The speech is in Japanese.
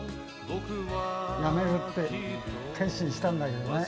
辞めるって決心したんだけどね。